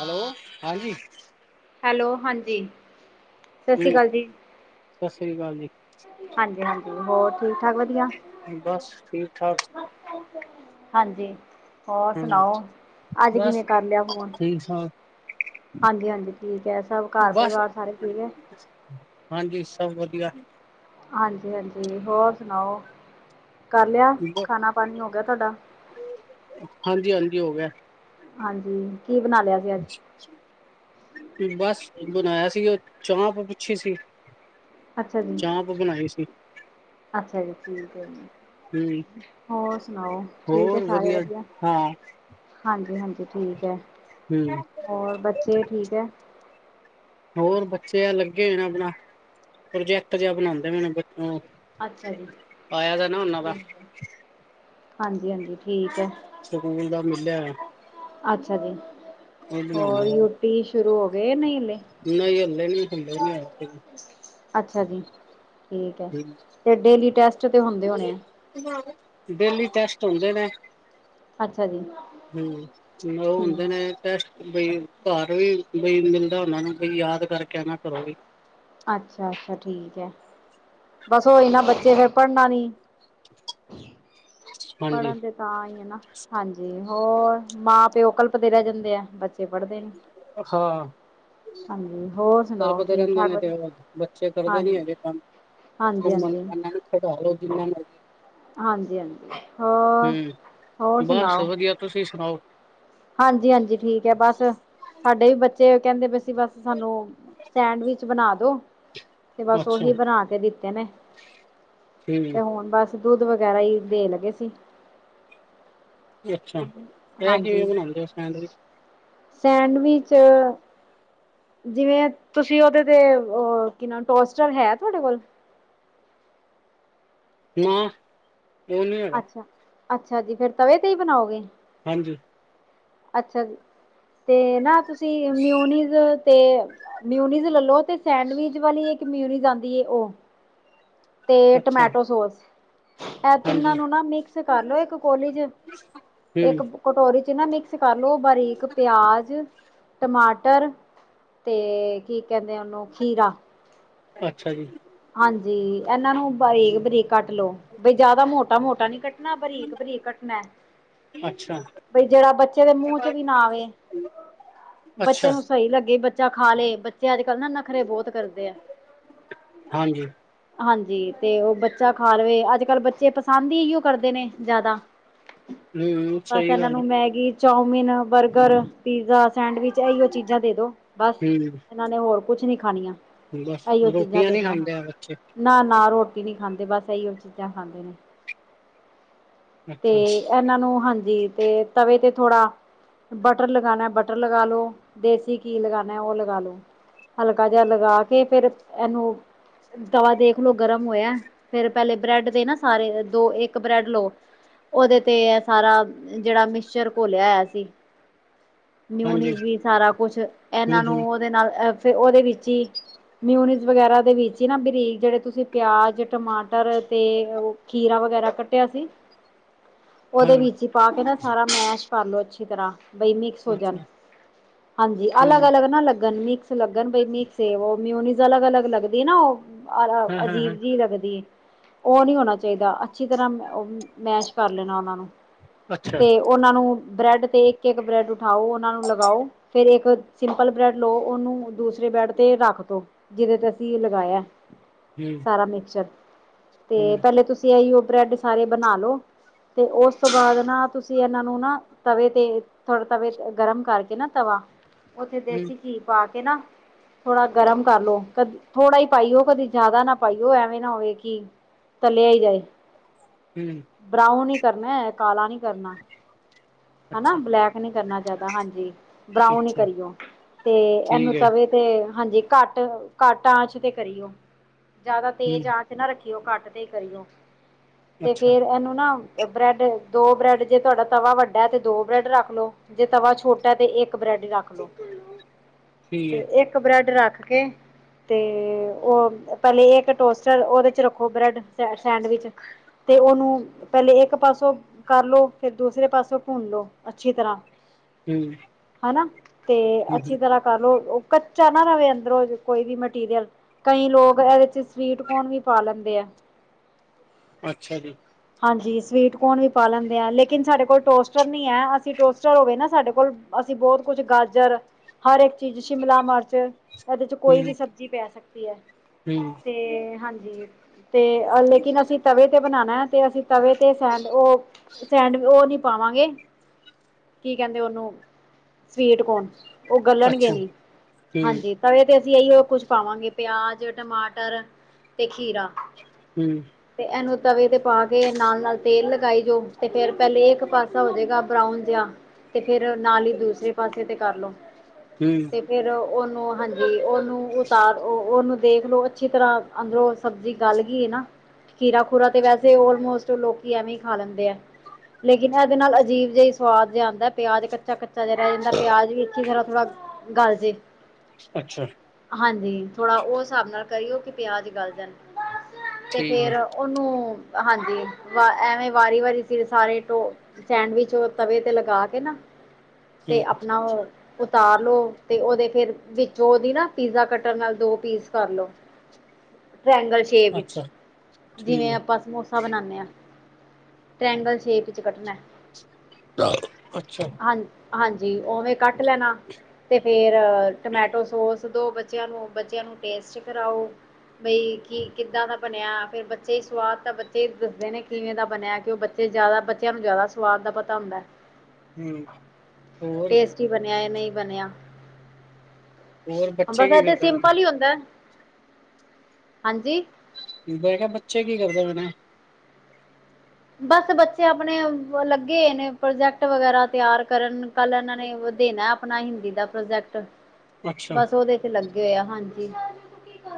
Hello ਹਾਂਜੀ hello ਹਾਂਜੀ ਸਤਿ ਸ਼੍ਰੀ ਕੀ ਅਕਾਲ ਜੀ ਸਤਿ ਸ੍ਰੀ ਅਕਾਲ ਜੀ ਹਾਂਜੀ ਹਾਂਜੀ ਹੋਰ ਠੀਕ ਠਾਕ ਵਧੀਆ ਬਸ ਠੀਕ ਠਾਕ ਹਾਂਜੀ ਹੋਰ ਹਮ ਸੁਣਾਓ ਅੱਜ ਬਸ ਕਿਵੇਂ ਕਰ ਲਿਆ ਫੋਨ ਠੀਕ ਠਾਕ ਹਾਂਜੀ ਹਾਂਜੀ, ਠੀਕ ਐ ਸਭ ਘਰ ਬਸ ਪਰਿਵਾਰ ਸਾਰੇ ਠੀਕ ਐ। [inaudible] ਹਾਂਜੀ ਸਭ ਵਧੀਆ। ਹਾਂਜੀ ਹਾਂਜੀ ਹੋਰ ਸੁਣਾਓ ਕਰ ਲਿਆ ਖਾਣਾ ਪਾਣੀ ਹੋ ਗਿਆ ਤੁਹਾਡਾ? ਹਾਂਜੀ ਹਾਂਜੀ ਹੋ ਗਿਆ। ਹਾਂਜੀ ਕੀ ਬਣਾ ਲਿਆ ਸੀ ਅੱਜ ਬਸ ਬਣਾਇਆ ਸੀ ਉਹ ਚਾਂਪ ਅੱਛੀ ਸੀ। ਅੱਛਾ ਜੀ, ਚਾਂਪ ਬਣਾਈ ਸੀ ਅੱਛਾ ਜੀ ਠੀਕ ਹੈ ਜੀ। ਹੂੰ, ਹੋਰ ਸੁਣਾਓ ਠੀਕ ਹੈ ਹੋਰ ਸਾਰੇ ਵਧੀਆ ਹਾਂ ਹਾਂਜੀ, ਹਾਂਜੀ ਠੀਕ ਐ। ਹੂੰ, ਸੇਹਤ ਠੀਕ ਐ। ਹੋਰ ਬੱਚੇ ਆ ਲੱਗੇ ਹੋਏ ਨੇ ਆਪਣਾ ਪ੍ਰੋਜੈਕਟ ਜਾ ਬਣਾਂਦੇ ਪਏ ਨੇ ਬੱਚੇ ਓ ਅੱਛਾ ਜੀ, ਹਾਂਜੀ ਹਾਂਜੀ ਠੀਕ ਐ। ਸਕੂਲ ਦਾ ਮਿਲਿਆ। ਅੱਛਾ ਜੀ, ਉਹ ਬਣਾਉਂਦੇ ਹੋਰ ਨੇ। ਯੂਟੀ ਸ਼ੁਰੂ ਹੋ ਗਏ ਨਹੀਂ ਹਲੇ ਨਹੀਂ, ਹਲੇ ਨਹੀ ਹਲੇ ਨਹੀਂ ਹੋਏ ਸ਼ੁਰੂ ਅੱਛਾ ਜੀ, ਠੀਕ ਐ ਤੇ ਡੇਲੀ ਟੈਸਟ ਤਾਂ ਹੁੰਦੇ ਹੋਣੇ ਆ, ਡੇਲੀ ਟੈਸਟ ਹੁੰਦੇ ਨੇ ਅੱਛਾ ਜੀ। ਹੂੰ ਉਹ ਠੀਕ ਹੁੰਦੇ ਨੇ ਟੈਸਟ ਬਈ ਘਰ ਵੀ ਬਈ ਮਿਲਦਾ ਉਹਨਾ ਨੂੰ ਬਈ ਯਾਦ ਕਰਕੇ ਆ ਨਾ ਘਰੋਂ ਵੀ। ਅੱਛਾ, ਅੱਛਾ ਠੀਕ ਐ ਬਸ ਓਹੀ ਨਾ ਬੱਚੇ ਫੇਰ ਪੜ੍ਹਨਾ ਨੀ ਹਾਂਜੀ ਪੜ੍ਹਨ ਦੇ ਤਾਂ ਹੀ ਐ ਨਾ ਹਾਂਜੀ, ਹੋਰ ਮਾਂ ਪਿਓ ਕਲਪਦੇ ਰਹਿ ਜਾਂਦੇ ਆ ਬੱਚੇ ਪੜ੍ਹਦੇ ਨੀ। ਹਾਂ ਹਾਂਜੀ ਹੋਰ ਸੁਣਾਓ ਕਲਪਦੇ ਠੀਕ ਰਹਿੰਦੇ ਠਾਕ ਨੇ ਤੇ ਵਧੀਆ ਬੱਚੇ ਕਰਦੇ ਨੀ ਹਾਂਜੀ ਹੈਗੇ ਕੰਮ ਹਾਂਜੀ ਹਾਂਜੀ [unintelligible] ਇਹਨਾਂ ਨੂੰ ਖੜਾਲੋ ਜਿੰਨਾ ਮਰਜੀ ਹਾਂਜੀ, ਹਾਂਜੀ ਹੋ ਹੂੰ ਹੋਰ ਸੁਣਾਓ? ਬਸ ਵਧੀਆ ਤੁਸੀਂ ਸੁਣਾਉ? ਹਾਂਜੀ, ਹਾਂਜੀ ਠੀਕ ਐ ਬਸ ਸਾਡੇ ਵੀ ਬੱਚੇ ਕਹਿੰਦੇ ਪਏ ਸੀ ਬਸ ਸਾਨੂੰ ਸੈਂਡਵਿਚ ਬਣਾ ਦੋ ਤੇ ਬਸ ਅੱਛਾ ਓਹੀ ਬਣਾ ਕੇ ਦਿੱਤੇ ਨੇ ਹੂੰ ਤੇ ਹੁਣ ਬਸ ਦੁੱਧ ਵਗੈਰਾ ਹੀ ਦੇਣ ਲੱਗੇ ਸੀ। ਅੱਛਾ ਐ ਕਿਵੇਂ ਹਾਂਜੀ ਬਣਾਂਦੇ ਓ ਸੈਂਡਵਿੱਚ ਸੈਂਡਵਿਚ ਜਿਵੇਂ ਤੁਸੀਂ ਉਹਦੇ ਤੇ ਉਹ ਕੀ ਨਾ ਟੋਸਟਰ ਹੈ ਤੁਹਾਡੇ ਕੋਲ ਨਾ ਉਹ ਨੀ ਹੈਗਾ ਅੱਛਾ, ਅੱਛਾ ਜੀ ਫੇਰ ਤਵੇ ਤੇ ਹੀ ਬਣਾਓਗੇ। ਹਾਂਜੀ। ਅੱਛਾ ਜੀ, ਤੇ ਨਾ ਤੁਸੀਂ ਮਿਊਨੀਜ਼ ਤੇ ਮਿਊਨੀਜ਼ ਲੈਲੋ ਤੇ ਸੈਂਡਵਿਚ ਵਾਲੀ ਇੱਕ ਮਿਊਨੀਜ਼ ਆਂਦੀ ਐ ਓ ਤੇ ਅੱਛਾ ਟਮੈਟੋ ਸੋਸ ਇਹ ਤਿੰਨਾਂ ਹਾਂਜੀ ਨੂੰ ਨਾ ਮਿਕਸ ਕਰਲੋ ਇੱਕ ਕੋਲੀ ਚ ਹੂੰ ਇੱਕ ਕਟੋਰੀ ਚ ਨਾ ਮਿਕਸ ਕਰਲੋ ਬਾਰੀਕ ਪਿਆਜ ਟਮਾਟਰ ਤੇ ਕੀ ਕਹਿੰਦੇ ਉਹਨੂੰ ਖੀਰਾ ਅੱਛਾ ਜੀ। ਹਾਂਜੀ ਇਹਨਾਂ ਨੂੰ ਬਾਰੀਕ, ਬਰੀਕ ਕੱਟ ਲੋ ਬਈ ਜ਼ਿਆਦਾ ਮੋਟਾ, ਮੋਟਾ ਨੀ ਕੱਟਣਾ ਬਰੀਕ, ਬਰੀਕ ਕੱਟਣਾ। ਅੱਛਾ ਬਈ ਜਿਹੜਾ ਬੱਚੇ ਦੇ ਮੂੰਹ ਚ ਵੀ ਨਾ ਆਵੇ ਬੱਚੇ ਅੱਛਾ ਨੂੰ ਸਹੀ ਲੱਗੇ। ਬੱਚੇ ਖਾ ਲਏ ਬੱਚੇ ਅੱਜ ਕੱਲ੍ਹ ਨਾ ਨਖਰੇ ਬਹੁਤ ਕਰਦੇ ਆ। ਹਾਂਜੀ। ਹਾਂਜੀ ਤੇ ਉਹ ਬੱਚਾ ਖਾ ਲਵੇ ਅੱਜ ਕੱਲ੍ਹ ਬੱਚੇ ਪਸੰਦ ਹੀ ਕਰਦੇ ਨੇ ਜ਼ਿਆਦਾ ਹੂੰ ਬਸ ਸਹੀ ਇਹਨਾਂ ਗੱਲ ਹੈ ਨੂੰ Maggi chowmein burger pizza sandwich ਇਹੀਓ ਚੀਜ਼ਾਂ ਦੇ ਦੋ ਬਸ ਹੂੰ ਇਹਨਾਂ ਨੇ ਹੋਰ ਕੁਝ ਨੀ ਖਾਣੀਆਂ। ਇਹੀਓ ਚੀਜ਼ਾਂ ਰੋਟੀਆਂ ਦੇ ਨੀ ਦੋ ਖਾਂਦੇ ਆ ਬੱਚੇ ਨਾ, ਨਾ ਰੋਟੀ ਨਹੀਂ ਖਾਂਦੇ ਬਸ ਇਹੀ ਹੋ ਚੀਜ਼ਾਂ ਖਾਂਦੇ ਨੇ ਤੇ ਅੱਛਾ ਇਹਨਾਂ ਨੂੰ ਹਾਂਜੀ ਤੇ ਤਵੇ ਤੇ ਥੋੜ੍ਹਾ ਬਟਰ ਲਗਾਉਣਾ ਬਟਰ ਲਗਾ ਲੋ ਦੇਸੀ ਘੀ ਲਗਾਉਣਾ ਉਹ ਲਗਾ ਲੋ। ਹਲਕਾ ਜਿਹਾ ਲਗਾ ਕੇ ਫੇਰ ਇਹਨੂੰ ਤਵਾ ਦੇਖ ਲੋ ਗਰਮ ਹੋਇਆ, ਫੇਰ ਪਹਿਲੇ ਬ੍ਰੈਡ ਦੇ ਨਾ ਸਾਰੇ ਦੋ ਇੱਕ ਬ੍ਰੈਡ ਲਓ। ਉਹਦੇ ਤੇ ਸਾਰਾ ਜਿਹੜਾ ਮਿਕਸ਼ਰ ਘੋਲਿਆ ਹੋਇਆ ਸੀ। ਹਾਂਜੀ ਮਿਊਨੀਜ਼ ਵੀ ਸਾਰਾ ਕੁਛ ਹੂੰ ਇਹਨਾਂ ਨੂੰ ਹੂੰ ਉਹਦੇ ਨਾਲ ਅ ਉਹਦੇ ਵਿੱਚ ਹੀ ਮਿਊਨਜ਼ ਵਗੈਰਾ ਦੇ ਵਿੱਚ ਨਾ ਬਰੀਕ ਜਿਹੜੇ ਤੁਸੀਂ ਪਿਆਜ ਟਮਾਟਰ ਤੇ ਉਹ ਖੀਰਾ ਵਗੈਰਾ ਕੱਟਿਆ ਸੀ। [inaudible] [unintelligible] ਉਹਦੇ ਹਾਂ ਵਿੱਚ ਹੀ ਪਾ ਕੇ ਨਾ ਸਾਰਾ ਮੈਸ਼ ਕਰਲੋ ਅੱਛੀ ਤਰ੍ਹਾਂ ਬਈ ਮੀ ਹੋ ਜਾਣ ਅੱਛਾ ਹਾਂਜੀ ਅਲੱਗ, ਹੂੰ ਅਲੱਗ ਨਾ ਲੱਗਣ ਮਿਕਸ ਲੱਗਣ ਬਈ ਮੀਕਸ ਏ ਮੀਓਨੀਜ਼ ਅਲੱਗ, ਅਲੱਗ ਲੱਗਦੀ ਨਾ ਉਹ ਹਾਂ ਅ ਹਾਂ ਹਾਂ ਅਜੀਬ ਜਿਹੀ ਲੱਗਦੀ ਹੈ। ਉਹ ਨਹੀਂ ਹੋਣਾ ਚਾਹੀਦਾ ਅੱਛੀ ਤਰ੍ਹਾਂ ਉਹ ਮੈਸ਼ ਕਰ ਲੈਣਾ ਉਹਨਾਂ ਨੂੰ ਅੱਛਾ ਤੇ ਉਹਨਾਂ ਨੂੰ ਬ੍ਰੈਡ ਤੇ ਇੱਕ, ਇੱਕ ਬ੍ਰੈਡ ਉਠਾਓ ਉਹਨਾਂ ਨੂੰ ਲਗਾਓ। ਫੇਰ ਇੱਕ ਸਿੰਪਲ ਬ੍ਰੈਡ ਲਓ ਉਹਨੂੰ ਦੂਸਰੇ ਬ੍ਰੈਡ ਤੇ ਰੱਖ ਦੋ ਜਿਹਦੇ ਤੇ ਧੀ ਲਗਾਇਆ। ਹਮ ਸਾਰਾ ਮਿਕ੍ਸਰ ਤੇ ਪਹਿਲੇ ਤੁਸੀਂ ਇਹੀ ਉਹ ਬ੍ਰੈਡ ਸਾਰੇ ਬਣਾ ਲੋ। ਤੇ ਉਸ ਤੋਂ ਬਾਅਦ ਨਾ ਤੁਸੀਂ ਇਹਨਾਂ ਨੂੰ ਨਾ ਤਵੇ ਤੇ ਥੋੜੇ ਤਵੇ ਗਰਮ ਕਰਕੇ ਨਾ ਤਵਾ ਉੱਥੇ ਹੂੰ ਦੇਸੀ ਘੀ ਪਾ ਕੇ ਨਾ ਥੋੜਾ ਗਰਮ ਕਰ ਲੋ ਕ ਥੋੜ੍ਹਾ ਹੀ ਪਾਈਓ ਕਦੇ ਜ਼ਿਆਦਾ ਨਾ ਪਾਈਓ ਐਵੇਂ ਨਾ ਹੋਵੇ ਕਿ ਤਲਿਆ ਹੀ ਜਾਏ। ਹਮ ਬਰਾਊਨ ਹੀ ਕਰਨਾ ਕਾਲਾ ਨੀ ਕਰਨਾ। ਹਨਾ ਅੱਛਾ ਬਲੈਕ ਨੀ ਕਰਨਾ ਜਾਦਾ ਹਾਂਜੀ ਬਰਾਊਨ ਹੀ ਅੱਛਾ ਕਰੀਓ। ਤੇ ਇਹਨੂੰ ਠੀਕ ਹੈ ਤਵੇ ਤੇ ਹਾਂਜੀ ਘੱਟ ਘੱਟ ਆਚ ਤੇ ਕਰੀਓ ਜ਼ਿਆਦਾ ਹੂੰ ਤੇਜ਼ ਆਚ- ਨਾ ਰੱਖੀਓ ਕੱਟ ਤੇ ਕਰੀਓ ਤੇ ਅੱਛਾ ਫੇਰ ਇਹਨੂੰ ਨਾ ਬ੍ਰੈਡ ਦੋ ਬ੍ਰੈਡ ਜੇ ਤੁਹਾਡਾ ਤਵਾ ਵੱਡਾ ਹੈ ਤੇ ਦੋ ਬ੍ਰੈਡ ਰੱਖ ਲੋੋ। ਜੇ ਤਵਾ ਛੋਟਾ ਤੇ ਇੱਕ ਬ੍ਰੈਡ ਰੱਖ ਲੋ [inaudible] [unintelligible] ਤੇ ਹੈ ਇੱਕ ਬ੍ਰੈਡ ਰੱਖ ਕੇ ਤੇ ਉਹ ਪਹਿਲੇ ਇਹ ਇੱਕ ਟੋਸਟਰ ਉਹਦੇ ' ਰੱਖੋ ਬ੍ਰੈਡ ਸੈਂਡਵਿਚ ਤੇ ਉਹਨੂੰ ਪਹਿਲੇ ਇੱਕ ਪਾਸੋਂ ਕਰਲੋ ਫੇਰ ਦੂਸਰੇ ਪਾਸੋਂ ਭੁੰਨ ਲਓ। ਅੱਛੀ ਤਰ੍ਹਾਂ ਹਮ ਹਨਾ ਤੇ ਅੱਛੀ ਤਰ੍ਹਾਂ ਕਰਲੋ ਉਹ ਕੱਚਾ ਨਾ ਰਵੇ ਅੰਦਰੋਂ ਕੋਈ ਵੀ ਮ ਮਟੀਰੀਅਲ ਕਈ ਲੋਕ ਇਹਦੇ ਚ ਸਵੀਟ ਕੋਨ ਵੀ ਪਾ ਲੈਂਦੇ ਆ। ਅੱਛਾ ਜੀ। ਹਾਂਜੀ ਸਵੀਟ ਕੋਨ ਵੀ ਪਾ ਲੈਂਦੇ ਆ ਲੇਕਿਨ ਸਾਡੇ ਕੋਲ ਟੋਸਟਰ ਨੀ ਹੈ ਅਸੀਂ ਟੋਸਟਰ ਹੋਵੇ ਨਾ ਸਾਡੇ ਕੋਲ ਅਸੀਂ ਬਹੁਤ ਕੁਛ ਗਾਜਰ ਹਰ ਇੱਕ ਚੀਜ਼ ਸ਼ਿਮਲਾ ਮਿਰਚ ਇਹਦੇ ਚ ਕੋਈ ਵੀ ਸਬਜ਼ੀ ਪੈ ਸਕਦੀ ਹੈ। ਹਮ ਤੇ ਹਾਂਜੀ। ਤੇ ਲੇਕਿਨ ਅਸੀਂ ਤਵੇ ਤੇ ਬਣਾਉਣਾ ਹੈ, ਤੇ ਅਸੀਂ ਤਵੇ ਤੇ ਸਡ ਉਹ ਸੈਂਡ ਉਹ ਨੀ ਪਾਵਾਂਗੇ ਕੀ ਕਹਿੰਦੇ ਉਹਨੂੰ ਸਵੀਟ ਕੌਣ ਉਹ ਗੱਲਣਗੇ ਅੱਛਾ ਨੀ ਹੂੰ ਹਾਂਜੀ ਤਵੇ ਤੇ ਅਸੀਂ ਇਹੀਓ ਕੁਛ ਪਾਵਾਂਗੇ ਪਿਆਜ ਟਮਾਟਰ ਤੇ ਖੀਰਾ ਹਮ [unintelligible] ਤੇ ਇਨੂੰ ਤਵੇ ਤੇ ਪਾ ਕੇ ਨਾਲ ਨਾਲ ਤੇਲ ਲਗਾਈ ਜੋ ਤੇ ਫੇਰ ਪੇਹਲੇ ਇੱਕ ਪਾਸੇ ਹੋ ਜੇਗਾ ਬਰਾਉਨ ਜਿਆ ਤੇ ਫੇਰ ਨਾਲ ਈ ਦੂਸਰੇ ਪਾਸੇ ਤੇ ਕਰਲੋ ਹੂੰ ਫੇਰ ਉਨੂੰ ਹਾਂਜੀ ਉਨੂੰ ਓ ਓਨੂੰ ਦੇਖਲੋ ਅੱਛੀ ਤਰ੍ਹਾਂ ਅੰਦਰੋਂ ਸਬਜ਼ੀ ਗਲ ਗੀ ਏ ਨਾ ਖੀਰਾ ਖੂਰਾ ਤੇ ਵੈਸੇ ਅੋਲਮੋਸਟ ਲੋਕੀ ਐਵੇਂ ਈ ਖਾ ਲੈਂਦੇ ਆ। ਲੇਕਿਨ ਇਹਦੇ ਨਾਲ ਅਜੀਬ ਜੇਆ ਸਵਾਦ ਜਿਆ ਆਂਦਾ ਏ ਪਿਆਜ ਕੱਚਾ ਕੱਚਾ ਜਿਆ ਰੇ ਜਾਂਦਾ ਪਿਆਜ ਵੀ ਅਛੀ ਤਰ੍ਹਾਂ ਥੋੜਾ ਗੱਲ ਜੈ ਅੱਛਾ ਹਾਂਜੀ ਥੋੜਾ ਉ ਸਾਬ ਨਾਲ ਕਰਿਓ ਕਿ ਪਿਆਜ ਗਲ ਜਾਣ ਤੇ ਠੀਕ ਹੈ ਫੇਰ ਉਨੂੰ ਹਾਂਜੀ ਵ ਐਵੇਂ ਵਾਰੀ ਵਾਰੀ ਫਿਰ ਸਾਰੇੋ ਸੈਂਡਵਿਚ ਉ ਤਵੇ ਤੇ ਲਗਾ ਕੇ ਨਾ ਤੇ ਹੂੰ ਆਪਣਾ ਉ ਉਤਾਰ ਲੋੋ ਤੇ ਉਹਦੇ ਫੇਰ ਵਿੱਚੋਂ ਉਹਦੀ ਨਾ ਪੀਜ਼ਾ ਕੱਟਰ ਨਾਲ ਦੋ ਪੀਸ ਕਰਲੋ ਟ੍ਰੇਗਲ ੇ ਵਿੱਚ ਅੱਛਾ ਠੀਕ ਜਿਵੇਂ ਹੈ ਆਪਾਂ ਸਮੋਸੇ ਬਨਾਉਦੇ ਆ ਟ੍ਰੈਂਗਲ ਸ਼ੇਪ ਚ ਕੱਨਣੇ ਅੱਛਾ ਹਾਂ ਹਾਂਜੀ ਉਵੇਂ ਕੱਟ ਲੈਣਾ ਅਤੇ ਫੇਰ ਟਮੈਟੋ ਸੋਸ ਦੋ ਬੱਚਿਆਂ ਨੂੰ ਬੱਚਿਆਂ ਨੂੰ ਟੈਸਟ ਕਰਾਓ ਬਈ ਕੀ ਕਿੱਦਾਂ ਦਾ ਬਣਿਆ ਫੇਰ ਬੱਚੇ ਸਵਾਦ ਤਾਂ ਬੱਚੇ ਦੱਸਦੇ ਨੇ ਕਿਵੇਂ ਦਾ ਬਣਿਆ ਕਿ ਉ ਬੱਚੇ ਜਿਆਦਾ ਬੱਚਿਆਂ ਨੂੰ ਜ਼ਿਆਦਾ ਸਵਾਦ ਦਾ ਪਤਾ ਹੁੰਦਾ ਹੂੰ ਹੋਰ ਟੇਸਟੀ ਬਣਿਆ ਯਾ ਨੀ ਬਣਿਆ ਹੋਰ ਬੱਚੇ ਬਸ ਕੀ ਐਤੇ ਕਰਦੇ ਪਏ ਸਿੰਪਲ ਈ ਹੁੰਦਾ ਹਾਂਜੀ ਬ ਕਿਆ ਬੱਚੇ ਕੀ ਕਰਦੇ ਪੈਨੇ ਬਸ ਬੱਚੇ ਅਪਣੇ ਲੱਗੇ ਨੇ ਪ੍ਰੋਜੈਕਟ ਵਗੈਰਾ ਤਿਆਰ ਕਰਨ ਕੱਲ ਏਨਾਂ ਨੇ ਦੇਣਾ ਆਪਣਾ ਹਿੰਦੀ ਦਾ ਪ੍ਰੋਜੈਕਟ ਅੱਛਾ ਬਸ ਉਦੇ ਇਥੇ ਲੱਗੇ ਹੋਏ ਆ ਹਾਂਜੀ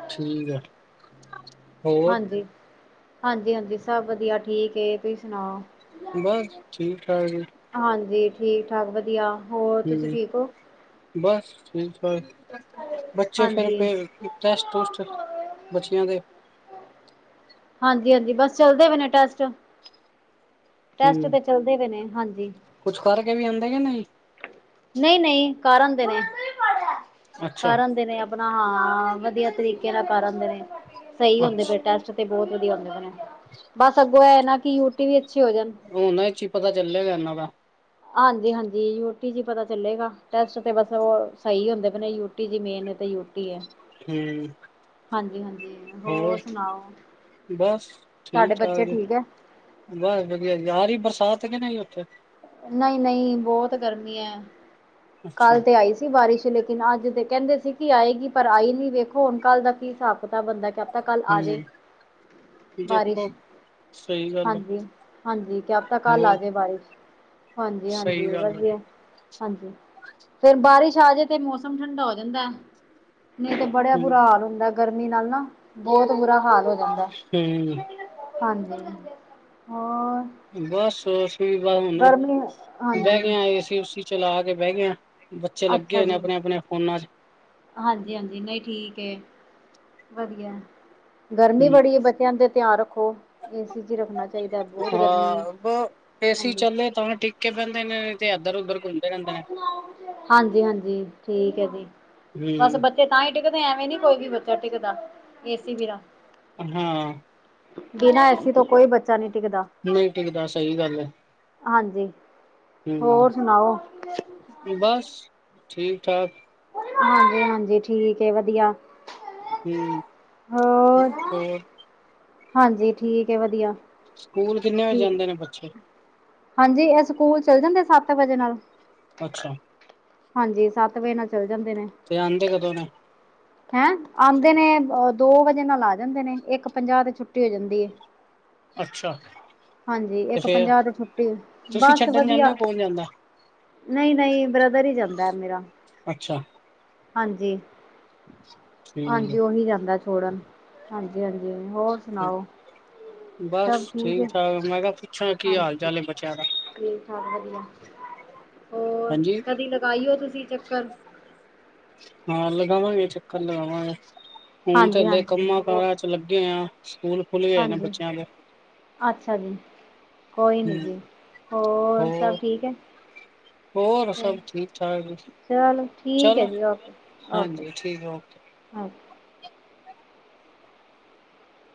ਠੀਕ ਆ ਹਾਂਜੀ, ਹਾਂਜੀ, ਹਾਂਜੀ ਸਭ ਵਧੀਆ ਠੀਕੇ ਤੁਸੀਂ ਸੁਣਾਉ ਬਸ ਠੀਕ ਠਾਕ ਜੀ ਹਾਂਜੀ ਠੀਕ ਠਾਕ ਵਧੀਆ ਹੋਰ ਤੁਸੀਂ ਹੂੰ ਠੀਕ ਓ ਬਸ ਠੀਕ ਠਾਕ ਬੱਚੇ ਫਿਰ ਹਾਂਜੀ ਪ ਟੈਸਟ ਟੂਸਟ [unintelligible] ਬਚੀਆਂ ਦੇ ਹਾਂਜੀ, ਹਾਂਜੀ ਬਸ ਚਲਦੇ ਪੇ ਨੇ ਟੈਸਟ ਹੂੰ ਟੈਸਟ ਤੇ ਚਲਦੇ ਪੇ ਨੇ ਹਾਂਜੀ ਕੁਛ ਕਰਕੇ ਵੀ ਆਂਦੇ ਯਾ ਨਈ ਨਈ ਨਈ ਕਾਰ ਆਂਦੇ ਨੇ ਅੱਛਾ ਕਾਰ ਆਂਦੇ ਨੇ ਆਪਣਾ ਹਾਂ ਵਧੀਆ ਤਰੀਕੇ ਨਾਲ ਕਰ ਆਦੇ ਨੇ ਸਹੀ ਹੁੰਦੇ ਪਏ ਅੱਛਾ ਟੈਸਟ ਤੇ ਬਹੁਤ ਵਧੀਆ ਹੁੰਦੇ ਪ ਨੇ ਬਸ ਅੱਗੋਂ ਇਹ ਨਾ ਕਿ ਯੂਟੀ ਵੀ ਅੱਛੇ ਹੋ ਜਾਣ ਹੁ ਨਾ ਚ ਹੀ ਪਤਾ ਚੱਲਿਆਗਾ ਇਹਨਾ ਦਾ ਹਾਂਜੀ ਹਾਂਜੀ ਯੂ ਟੀ ਜੀ ਪਤਾ ਚੱਲੇਗਾ ਟੈਸਟ ਤੇ ਬਸ ਉਹ ਸਹੀ ਹੁੰਦੇ ਪ ਯੂਟੀ ਜੀ ਮੇਨ ਨੇ ਤੇ ਯੂ ਠੀਕ ਹਾਂਜੀ, ਹਾਂਜੀ ਹੋਰ ਸੁਣਾਓ ਬਸ ਤੁਹਾਡੇ ਬੱਚੇ ਠੀਕ ਏ ਬੱਸ ਵਧੀਆ ਆ ਰਹੀ ਹੈ ਬਰਸਾਤ ਕ ਨਹ ਓਥੇ ਨਈ ਨਈ ਬੋਹਤ ਗਰਮੀ ਏ ਅੱਛਾ ਕੱਲ ਤੇ ਆਈ ਸੀ ਬਾਰਿਸ਼ ਲੇਕਿਨ ਅੱਜ ਤੇ ਕਹੰਦੇ ਸੀ ਕਿ ਆਏਗੀ ਪਰ ਆਈ ਨੀ ਵੇਖੋ ਹੁਣ ਕੱਲ ਦਾ ਕੀ ਹਿਸਾਬ ਪਤਾ ਬੰਦਾ ਕ ਤਾਂ ਕੱਲ ਆ ਜੇ ਹੂੰ ਬਾਰਿਸ਼ ਦੇਖੋ। ਸਹੀ ਗੱਲ ਹੈ। ਹਾਂਜੀ, ਹਾਂਜੀ ਕਿਆ ਪਤਾਂ ਕਲ ਹੋਰ ਆਜੇ ਬਾਰਿਸ਼? ਹਾਂਜੀ-ਹਾਂਜੀ ਸਹੀ ਗੱਲ ਹੈ। ਵਦੀਆ, ਹਾਂਜੀ। ਫੇਰ ਬਾਰਿਸ਼ ਆਜੇ ਤੇ ਮੌਸਮ ਠੰਡਾ ਹੋ ਜਾਂਦਾ ਏ, ਨਈ ਤੇ ਬੜਆ ਹੂੰ ਬੁਰਾ ਹਾਲ ਹੁੰਦਾ। ਗਰਮੀ ਨਾਲ ਨਾ, ਬੋਹੋਤ ਬੁਰਾ ਹਾਲ ਹੋ ਜਾਂਦਾ ਹੂੰ ਏ। ਹਾਂਜੀ, ਹੋਰ? ਬਸ ਸਵੇਰ ਦਾ ਹੁਣ, ਗਰਮੀ ਬੇਹ ਹਾਂਜੀ ਗਏ ਆ ਏ ਸੀ ਉਸੀ ਚਲਾ ਕੇ ਬੇਹ ਗਏ ਆ, ਬੱਚੇ ਲੱਗੇ ਹੋਏ ਨੇ ਅਪਣੇ-ਅਪਣੇ ਫੋਨਾਂ ਚ। ਹਾਂਜੀ-ਹਾਂਜੀ, ਨਈ ਠੀਕ ਏ, ਵਦੀਆ ਏ। ਗਰਮੀ ਹੂੰ ਬੜੀ ਏ, ਬੱਚੇਆਂ ਦੇ ਤਿਆ ਰੱਖੋ, ਏ ਸੀ ਚ ਰੱਖਣਾ ਚਾਹੀਦਾ, ਬੋਹੋਤ ਗਰਮੀ ਏ। ਏ ਸੀ ਚੱਲੇ, ਤਾਂ ਟਿੱਕ ਕੇ ਬੇਂਦੇ ਨੇ, ਨਈ ਤੇ ਏਦਰ ਉੱਦਰ ਕੁੰਮਦੇ ਰੇਂਦੇ ਨੇ। ਹਾਂਜੀ-ਹਾਂਜੀ, ਠੀਕ ਏ ਜੀ, ਬਸ ਹੂੰ ਬੱਚੇ ਤਾਂ ਈ ਟਿੱਕਦੇ, ਐਵੇਂ ਨੀ ਕੋਈ ਵੀ ਬੱਚਾ ਟਿੱਕਦਾ, ਏ ਸੀ ਬਿਨਾ। ਹਾਂ ਬਿਨਾਂ ਏ ਸੀ ਤੋਂ ਕੋਈ ਬੱਚਾ ਨਈ ਟਿੱਕਦਾ। ਨੂਈ ਟਿੱਕਦਾ, ਸਈ ਗੱਲ ਏ। ਹਾਂਜੀ। ਹੂੰ, ਹੋਰ ਸੁਣਾਓ? ਬਸ ਠੀਕ ਠਾਕ। ਹਾਂਜੀ-ਹਾਂਜੀ ਠੀਕ ਏ, ਵੱਦੀਆ। ਹੂੰ, ਹੋਰ? ਹਾਂਜੀ ਠੀਕ ਏ, ਵੱਦੀਆ। ਸਕੂਲ ਕਿੰਨੇ ਵਜੇ ਜਾਂਦੇ ਨੇ ਬੱਚੇ? ਹਾਂਜੀ, ਏਹ ਸਕੂਲ ਚਲੇ ਜਾਂਦੇ ਸਾਤ ਵਜੇ ਨਾਲ। ਅੱਛਾ। ਹਾਂਜੀ, ਸੱਤ ਵਏ ਨਾਲ ਚੱਲ ਜਾਂਦੇ ਨੇ। ਤੇ ਆਂਦੇ ਕਦੋਂ ਨੇ? ਹੈਂ? ਆਂਦੇ ਨੇ, ਅਹ ਦੋ ਵਜੇ ਨਾਲ ਆ ਜਾਂਦੇ ਨੇ, ਏਕ ਪੰਜਾਅ ਤੇ ਛੁੱਟੀ ਹੋ ਜਾਂਦੀ ਏ। ਅੱਛਾ ਹਾਂਜੀ, ਤੇ ਏਕ ਫੇਰ ਪੰਜਾਅ ਤੇ ਛੁੱਟੀ, ਤੁਸੀਂ ਬਸ ਛੱਡਣ ਜਾਂਦੇ ਵੱਦੀਆ। ਹੋ ਕੌਣ ਜਾਂਦਾ ਨਈ-ਨਈ, ਬ੍ਰਦਰ ਈ ਜਾਂਦਾ ਮੇਰਾ। ਅੱਛਾ। ਹਾਂਜੀ, ਠੀਕ ਹਾਂਜੀ ਔਹ ਜਾਂਦਾ ਏ ਛੋੜਨ। ਹਾਂਜੀ-ਹਾਂਜੀ, ਹੋਰ ਹੈ ਸੁਣਾਓ? ਸਭ ਬਸ ਠੀਕ ਏ? ਠਾਕ ਮੈਂ ਕੇਆ ਹਾਂਜੀ, ਠੀਕ ਠਾਕ, ਵਦੀਆ। ਹੋਰ? ਹਾਂਜੀ ਕਦੀ ਲਗਾਈਓ ਤੁਸੀਂ ਚੱਕਰ। ਹਾਂ ਲਗਾਵਾਂਗੇ ਚੱਕਰ, ਲਗਾਵਾਂਗੇ, ਹੁਣ ਤੇ ਹਾਂਜੀ ਹੱਲੇ ਹਾਂਜੀ ਕੰਮਾਂ ਹੋ ਕਾਰਾਂ ਲੱਗੇ ਆਂ ਸਕੂਲ ਖੁੱਲ ਗਏ ਨੇ ਹਾਂਜੀ, ਬੱਚਿਆਂ ਦੇ ਅੱਛਾ ਜੀ। ਕੋਈ ਨੀ ਹੂੰ ਜੀ, ਹੋਰ ਸਭ ਠੀਕ ਏ? ਹੋਰ ਸਭ ਠੀਕ ਠਾਕ। ਚਲੋ ਠੀਕ ਏ ਚਲੋ ਜੀ, ਓਕੇ-ਓਕ, ਹਾਂਜੀ ਠੀਕ ਹੈ ਓਕੇ ਓਕੇ।